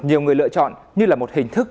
nhiều người lựa chọn như là một hình thức